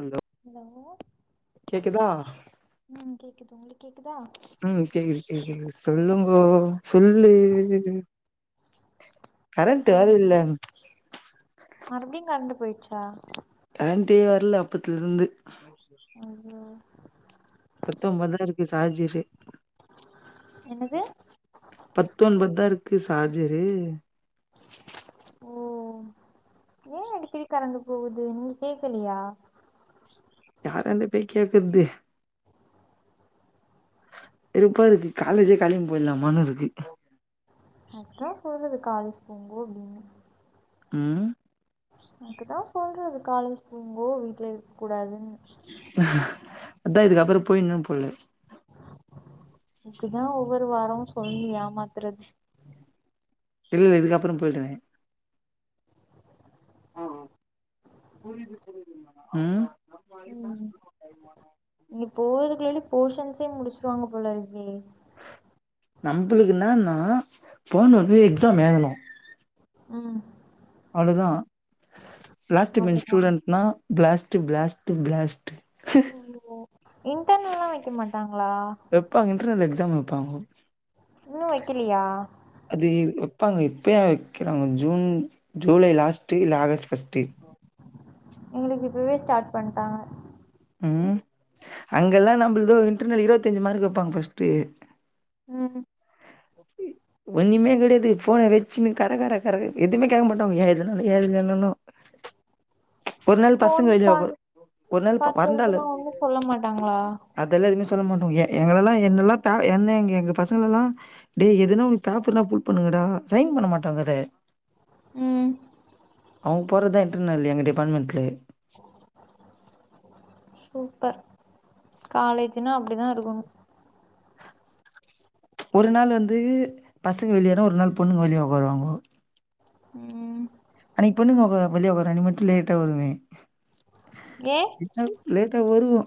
அந்த ஹலோ ம் கேக்குது உங்களுக்கு கேக்குதா ம் கேகுது கேகுது சொல்லுங்கோ சொல்லு கரண்டு ஹலோ வேற இல்ல மறுபடியு கரண்டு போய்ட்ச்சா கரண்டே வர்ல அப்பத்துலருந்து ஐயோ பத்தம்போதா இருக்கு சாஜ் இப்பயே என்னது பத்தொன்பது தா இருக்கு சார்ஜரு ஓ ஏ அடிக்கடி கரண்ட் போகுது நீங்க கேக்கலயா யாரான்ட போய் கேக்ரது வெருப்பாருகு காலேஜே கெளம்பி போய்ட்லாமான்னுருக்கு அதுக்குதா சொல்றது காலேஜ் போங்கோ அப்டின்னு ம் அதுக்குதா சொல்றது காலேஜ் போங்கோ வீட்ல இருக்க கூடாதுன்னு அதா இதுக்கப்புறோ போய்னும் போல இதுக்குதா ஒவ்வொரு வாரமு சொல்லி ஏமாத்துறசி இல்ல இதுக்கப்புறோ போய்டுவே ம் ம் நீங்க போவறதுக்குள்ளாடி போஷன்ஸே முடிச்சிருவாங்க போலருக்கே நம்பளுக்கு என்னன்னா போன ஒனேயே எக்ஸாம் எழ்தணு ம் அவ்ளோதா லாஸ்டு பென்ஜி அவ்ளோதா ஸ்டூடெண்ட்லா பிளாஸ்ட்டு பிளாஸ்ட்டு பிளாஸ்டு ஒ இன்டர்னேல்லா வைக்க மாட்டாங்களா வெப்பாங்க இன்டர்னல் எக்ஸாம் வெப்பாங்க இன்னு வெக்கலியா அது வைப்பாங்க இப்பயா வெக்கிறாங்க ஜூன் ஜூலை லாஸ்ட்டு இல்ல ஆகஸ்ட் ஃபர்ஸ்ட்டு எங்களுக்கு இப்பவே ஸ்டார்ட் பண்ட்டாங்க ம் அங்கல்லா நம்மளதோ இன்டர்னல் இருவதஞ்சு மார்க் வெப்பாங்க ஃபஸ்ட்டு ம் ஒண்ணுமே கடையாது ஃபோன வச்சுன்னு கர கர கர எதுமே கேக்க மாட்டாங்கோ ஏ எதுனால ஏ இதுலன்னுனு ஃபோன் பா உக்காரு ஒரு நாள் மறந்தாலு பாக்குறதுலா ஒண்ணு சொல்ல மாட்டாங்களா அதெல்லா எதுமே சொல்ல மாட்டோங் எ எங்க எல்லா என்னெல்லா த என்ன எங்க எங்க பசங்களலா டேய் எதுனா ஒரு பேப்பர்னா ஃபுல் பண்ணுங்கடா சைன் பண்ண மாட்டாங்க அத ம் அவங்க போட்றதுதா இன்டர்னல் எங்க டிபார்ட்மெண்ட்டு சூப்பர் காலேஜ்ன்னா அப்டிதா இருக்கணு ஒரு நாள் வந்து பசங்க வெளியனா ஒரு நாள் பொண்ணுங்க வெளிய உக்காருவாங்க ம் அன்னிக்கி பொண்ணுங்க உக்கார வெளிய உக்காரன்னிக்கி மட்டு லேட்டா வருவே ஏ எதனால லேட்டா வருவோ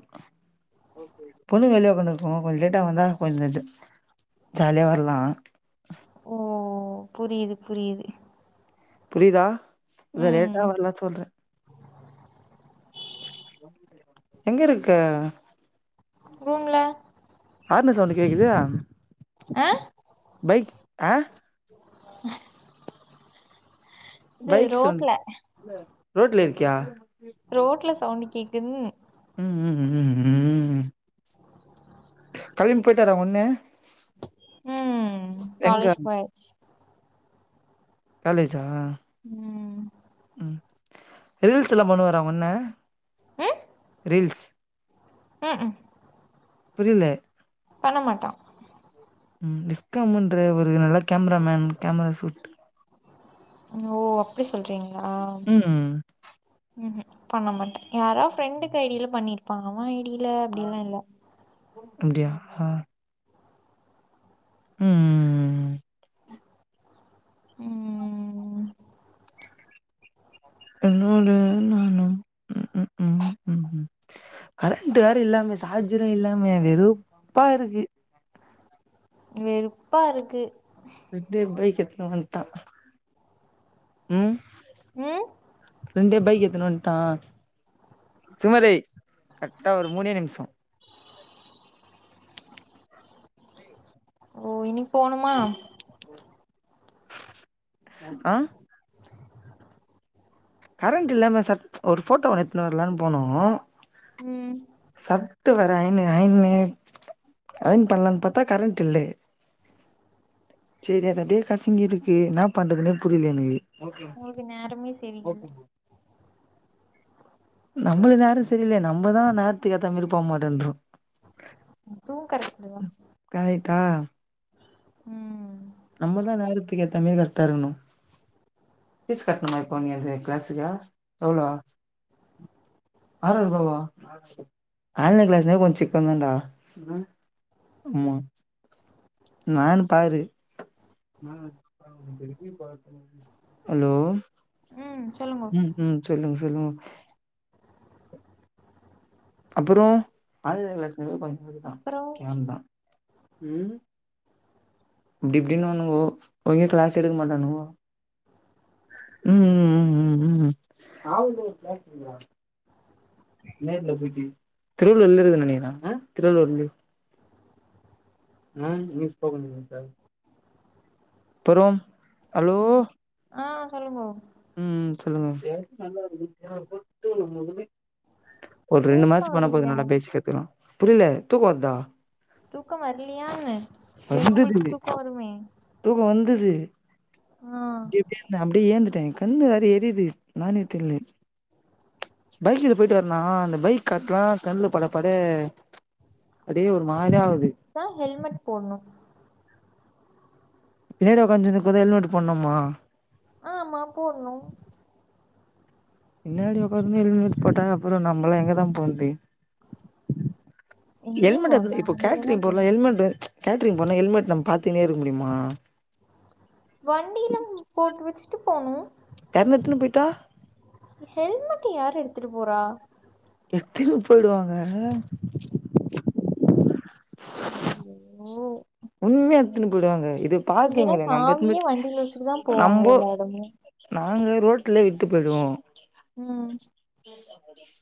பொண்ணுங்க வெளிய உக்காந்துனு இருக்கு கொஞ்சோ லேட்டா வந்தா கொஞ்சோ ஜாலியா வரலா ஓ புரியுது புரியுது புரியுதா அ தா ம் லேட்டா வரலா சொல்ற எங்க இருக்க ரூம்ல ஹாரென் சவுண்டு கேக்குது ஆ பைக் அ இது பைக் சவுண்ட், ரோட்ல ரோட்ல இருக்கியா ரோட்ல சவுண்ட் கேக்குது ம், ம், ம் களம்பி போயிட்டாரா ஒடனே ம், காலேஜ் போய் காலேஜ்ஜா ம் ம், ரீல்ஸ் எல்லா பண்ணுவாரா உங் அண்ண? ரீல்ஸ் ம்கும் புரில பண்ண மாட்டா ம் விஷ்ஸ்காமுன்ற ஒரு நல்ல கேமராமேன், கேமரா சூட் ஓ அப்டி சொல்றீங்ளா, ம் ம்கும் பண்ண மாட்டா யாரா ஃப்ரெண்டுக்கு ஐ டியில பண்ணிருப்பா அவ டியில அப்டில்லா இல்ல அப்டியா ம், ம், ம் ம் உன்னோட நானு ம் ம் ம் கரண்ட் வேற இல்லாம சார்ஜரும் இல்லாம வெறுப்பா இருக்கு வெறுப்பா இருக்கு எப்டே பைக் எத்துனு வன்டா ம் ம் ஃப்ரண்ட்டே பைக் எத்துனு வன்டா சுமதி கரெக்டா ஒரு மூணே நிமிஷோ ஓ இனி போணுமா ஆ கரண்ட் இல்லாம ச ஒரு ஃபோட்டோ ஒன்னு எத்துனு வரலானு போனோ ம் சர்டு வேற ஐனு ஐனு அயன் பண்லானு பாத்தா கரண்ட் இல்லே சேரி அது அப்டே கசங்கிருக்கு என்ன பண்றதுனே புரில எனக்கு ஒங்களுக்கு நேரமே சரியில்ல நம்மள நேரோ சரியில்ல நம்மதா நேரத்துக்கு ஏத்த மாரி போ மாட்டோன்றோ அதூ கரெக்டுதா ம் நம்மதா நேரத்துக்கு ஏத்தமாரி கரெக்டா இருக்கணு ஃபீஸ் கட்டனுமா நீ இப்போ நீ அதுக்கு கிளாஸுக்கு எவ்ளோ ஆறாய்ருபாவா ஆன்லைன் கிளாஸ்லே கொஞ்சோ செக் பன்லான்டா ஆமா நானு பாரு ஹலோ ம் சொல்லுங்க ம் ம் சொல்லுங்க சொல்லுங்க அப்பறோ ஆன்லைன் கிளாஸ்னாலே கொஞ்ச [unintelligible] அப்புறோ ஸ்கேம் தா ம் இப்டி இப்டினானுங்கோ ஒழுங்க கிளாஸ் எடுக்க மாட்டானுங்கோ ம் ம் ம் ம் ம் ம் திருவள்ளூர்ல இருக்குதுனு நெனக்கிறே திருவள்ளூர்ல அ நியூ ஸ்போக்கன் இங்லீஷ் சார் பறோ ஹலோ ம் ஆ சொல்லுங்கோ ம் சொல்லுங்க ஒரு ரெண்டு தூக்கோ மாசோ போனா போது வரலையா நல்லா பேசி கத்துக்கலா புரில தூக்கோ வர்தா தூக்கோ வர்லியான்ன எப்ப உங்களுக்கு தூக்கோ வருமே தூக்கோ வந்துது ஆ ப்டே ப்டே இந்த அப்டே ஏந்துட்ட எ கண்ணு வேற எரிது என்னானே தெர்லே பைக்ல போயிட்டு வரனா அந்த பைக் காத்லா கண்ல பட பட அப்டே ஒரு மாரியா ஆவுது தா ஹெல்மெட் போட்ணு பின்னாடி உக்காஞ்னுக்கு போதே ஹெல்மெட்டு போட்ணுமா ஆமா போட்ணு பின்னாடி உக்காந்து எல்மெட் போட்டா அப்புறோ நம்பளா எங்கதா போற்து எங்கேயு ஹெல்மெட் எதுக் போண்டா இப்போ வண்டில தா கேட்ரிங் போறல போணு ஹெல்மெட்டு கேட்ரிங் போனா ஹெல்மெட் நம்ம பாத்துக்குனே இருக்க முடியுமா வண்டில போட்டு வச்சுட்டு போனு யார்னா எத்துனு போயிட்டா ஹெல்மெட்ட யாரு எடுத்துட்டு போறா எத்துனு போய்டுவாங்க ஹல்லல்லோ உண்மயா எத்துனு போய்டுவாங்க இது பார்க்கீங் இங்கெல்லா இல்ல நம்ப் சாவியே எத்துனுப் வண்டில வச்சுட்டு தா போவாங்க நம்போ எல்லா எடமு நாங்களே ரோட்லே விட்டு போய்டுவோ ம் பேசாப்பு கெஸ்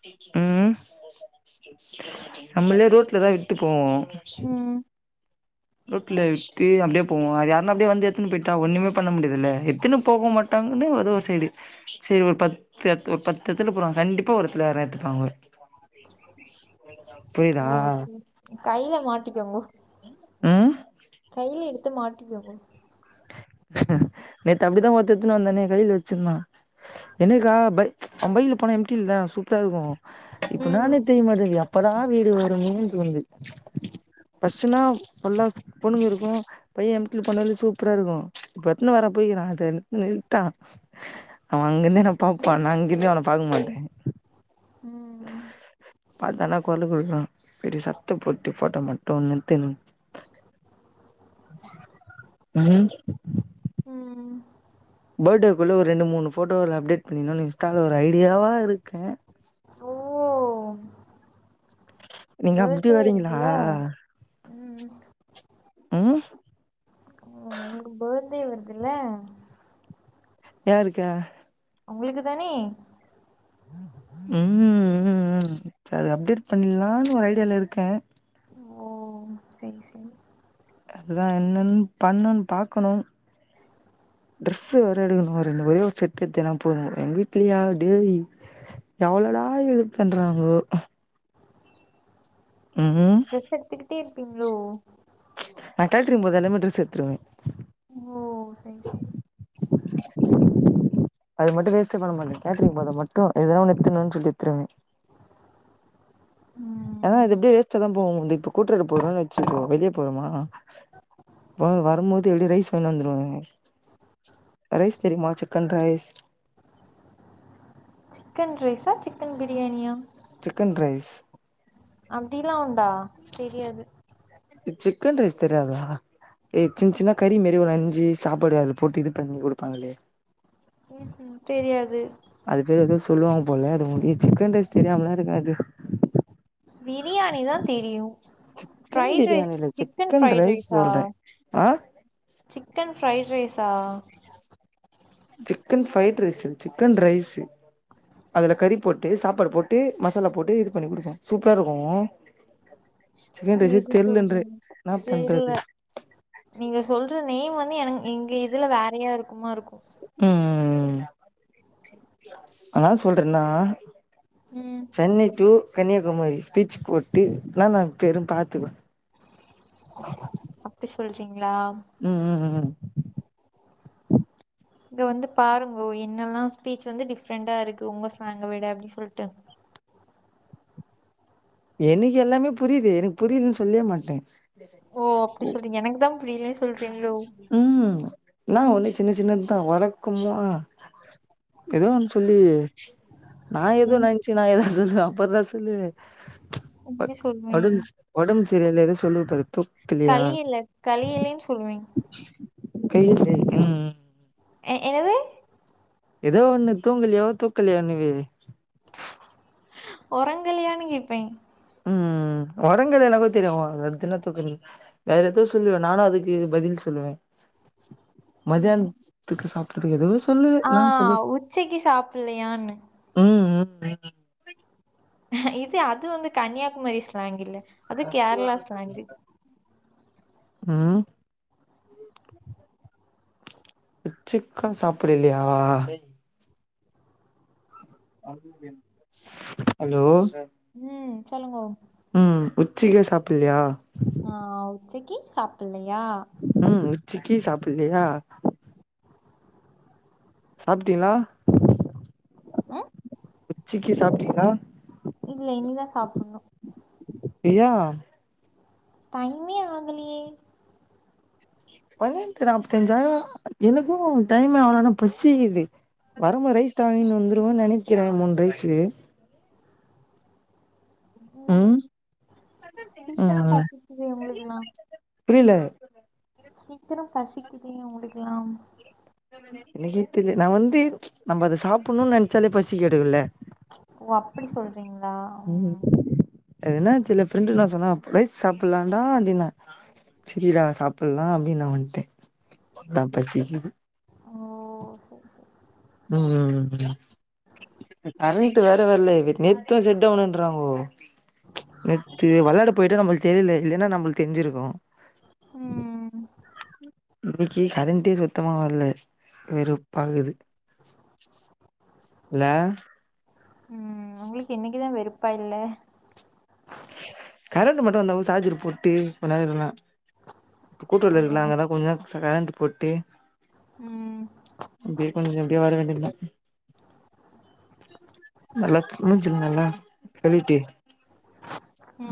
உ நம்மளே ரோட்ல தா விட்டு போவோ ம் ரோட்ல வெச்ட்டு அப்டியே போவோ அது யாருனா அப்டியே வந்து எத்துனு போய்ட்டா ஒண்ணுமே பன்ன முடியாதுல்ல எத்துனு போக மாட் ட்டாங்குனு வதோ ஒரு சைடு ச்செயி ஒ பத் எத்து பத்து எத்துனு போறாங் கண்டிப்பா ஒருத்துல யாருன்னா எத்துப்பாங்க புய்தா கைய்ல மாட்டிக்யங்கோ ம் கையில எடுத்து மாட்டிக்யங்கோ நேத்து அப்டிதா ஒத்த எத்துன்னு வந்தனே கைல வச்சிர்நா என்னக்கா பை அவ் பைக்ல போனா எம்ட்டில சூப்ரா இருக்கு இப்ப ம் நானே தெரிய மாட்டேது எப்படா வீடு வருமே தோணுது பஸ்ட்டுனா புல்லா பொண்ணுங்கு இருக்கு பையன் எம்ட்டில போனாலே சூப் ப்புறா இருக்கு இப்பு எத்தன்னு வர போயிகிறா அதன் நில்ட்டா அவ அங்கிந்து என்ன பாப்பா நா இங்கிருந்தே அவன பாக்க மாட்டே ம் அதான கொரலு குடுக்னு பெட்டி சத்த போட்டு ஃபோட்டோ மட்டுன் நித்தினு ம் ம் படேக்குள்ள ஒரு ரெண்டு முணு ஃபோட்டோல் ல அப்டேட் பண்ணினோன் இன்ஸ்டால ஒரு ஐடியாவா இருக்க ரோ நீங்க அப்டி வரீங்களா வருதுல்ல ம் உம் உம் உங்ளுக்கு பர்த்டே வர்துல யாருக்க உங்குளுக்கு தானே ம் ம்ம் சத் அப்டேட் பண்ணிலான்னு ஒர் ஐடியால இருக்கே ஓ சரி சரி அதுதா என்னன் பண்ணொன் பாக்கணு ட்ரெஸ்ஸு வேற் எடுக்குணு ரெண்டு ஒரே ஒரு செட்டு எத்தினா போது எங் வீட்லியா டேய் எவ்ளோதா இது பண்றாங்ளோ உம் ட்ரெஸ் எடுத்துக்கிட்டே இருப்பீங்களோ நா கல்ட்ரிங் போதெலம ட்ரஸ் எத்ருவே ஓ சய் சரி அது மட்டு வேஸ்ட்டே பண்ண மாட்டே கேட்ரிங் போத மட்டு ஏதா ஒன் எத்துன்வா ச்சொல்லி எத்துருவே ஏனா ம் இத் இப்டியே வேஸ்ட்டாதா போவு வந்து இப்பு கூட்றது போரோன்னு வெச்சிக்கோ வெளிய போறோமா வா வரும்போது எப்டி ரைஸ் கொண் வந்துருவாங்க ரைஸ் தெரிமா சிக்கன் ரைஸ் சிக்கன் ரைசா சிக்கன் பிரியாணியா சிக்கன் ரைஸ் அப்டிலா உண்டா தெரியாது இது சிக்கன் ரைஸ் தெரியாத ஏ சின்ன சின்ன கறி மேறி ஒரு அஞ்சு சாப்பாடு அது போட்டு இது பண்ணி கொடுப்பாங்கலே ம் தெரியாதே அது பேர் எதவுமன சொல்லுவாங்க போல அதுவு சிக்கன் ரைஸ் தெரியாமலா இருக்காது பிரியாணிணா தெரியு சிக்கன் ஃப்ரைட் ரைஸ் பிரியாணி இல்ல சிக்கன் ஃப்ரைட் ரைஸ் ரைஸா சொல்றே ஆ சிக்கன் ஃப்ரை ரைஸா சிக்கன் ஃபரைட் ரைசுல்லா சிக்கன் ரைஸ் அதுல கறி போட்டு சாப்பாடு போட்டு மசாலா போட்டு இது பண்ணி கொடுப்போ சூப்பரா இருக்கு சிக்கன் ரைஸே ஏது தெர்லன்ற சொல்றனு என்னா தெரில பண்றது நீங்க சொல்ற நே வந்து என எங்க இதுல வேறயா இருக்குமா இருக்கு ம் ம் ம் ஆனா சொல்றன்னா ம் சென்னை டு கன்னியாகுமரி ஸ்கெட்ச் போட்டு நானா பேருனு பாத்துக்கோ அப்டி சொல்றீங்களா ம் ம் ம் உ இது வந்து பாருங்கோ என்னெல்ல ஸ்பீச் வந்து டிஃப்ரெண்டா இருக்கு உங்க ஸாங்குவேட் அப்டின்னு சொல்லிட்டு எனக்கு எல்லாமே புரியுது எனக்கு புரியல்ன்னு சொல்லே மாட்டேன் ஓ அப்டி சொல்றீங்க எனக்குதா புரிலே சொல்றீங்ளோ ம் என்னா ஒன்னு சின்ன சின்னதுதா வழக்குமா எதுவு இல்லயே நா ஏதோ எனக்கு நெனச்சு நான் ஏதோ அப்பறதா சொல்லு [inaudible] ஒட் சொல்வேன் ஒடம்ஸ் ஒடம்பு செரியாலியா எதோ சொல்லி உட்றாத தூக்கில்லியா களியல களியலைன்னு சொல்லுவேன் கைய புடி ம் ம் எ எனது எதோ ஒன்னு தூங்கலியோ தூக்கலியோன்னு வேது ஒரங்கலியானு கேப்பே ம் ம் ஒரங்கலேன்னாக்கோத் தெரியு அடுத்தென்னா தூக்கருது வேறெதோ சொல்லுவே நானு அதுக்கு பதில் சொல்லுவேன் மத்தியானத்துக்கு சாப்ட்டுக்கு எதுவோ சொல்லுவே ஆ என்னான் சொல்லு உச்சைக்கு சாப்பிடலையான்னு ம் ம் [unintelligible] இது அது வந்து கன்னியாகுமரி ஸ்லாங்கில்ல அது கேரளா ஸ்லாங்கு ம் சிக்கன் சாப்படலயா அலோமேஸவ்ஐயோ [unintelligible] ம் சொல்லுங்கோ ம் உச்சிகே சாப்டலயா ஆ உச்சிக்கு சாப்பிடலயா ம் உச்சிக்கு சாப்படலையா சாப்பிட்டீங்களா ஆ உச்சிக்கு சாப்பிட்டீங்களா இல்ல இனிதா சாப்பிடணூ ஏயா டைமே ஆகலயே பன்னெட்டு நாப்பத்த அஞ்சு எனக்கும் டைம் அவ்வளானா பசிக்குது வரும் போது ரைஸ் வாங்கினு வந்துருவோ நெனைக்கிறே மூணு ரைஸு ம் சீக்கிரம் ம் பசிக்குது உங்களுக்கெலா புரியல சீக்கிரம் பசிக்குதே இவுங்களுக்கெல்லா எனக்கே தெரிய நா வந்து நம்ம அத சாப்புணுனு நினச்சாலே பசி எடுகுல ஓ அப்டி சொல்றீங்களா ம். அது என்னான் தெரில ஃப்ரெண்டு என்னா சொன்னா ப்ரைஸ் சாப்பிலான்னா நீங்க செரிடா சாப்புல்லா அப்டின் நா வன்ட்டே ப்பதா பசிக்கிது ஓ சரி சரி ம் ம் ம் இந்த கரண்ட்டு வேற வர்லே நேத்து செட்டவுனுன்றாங்கோ நேத்து விளாயாட போயிட்டு நம்மளுக்கு தெரியல இல்லென்னா நம்மளுக்கு தெரிஞ்சிருக்கு உம் இன்னக்கி கரண்ட்டே சுத்தமா வர்ல வெறுப்பாகுது லே ம் உங்களுக்கு என்னைக்கிதா வெறுப்பா இல்ல கரண்ட்டு மட்டு வந்தா நம்ம சார்ஜர் போட்டு கொஞ்நேரோ இருக்கலா ஓ கூட்டுறவு இருக்குல்ல அங்க தா கொஞ்ச நேரத் கரண்டு போட்டு ம் அப்டியே கொஞ்ச இப்டியே வர வேண்டியது தா நல்லா முஞ்சிலல்லா கலிட்டி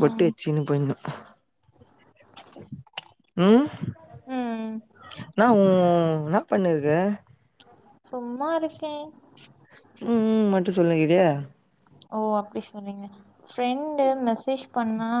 பொட்டு வச்சினு போயிந்தோ ம் ம் என்ன உ உ உ என்ன பண்ணிருக்க சும்மா இருக்கே ம் மட்டு சொல்லிகிரியே ஓ அப்டி சொன்னீக ப்ரெண்டு மெசேஜ் பண்ணா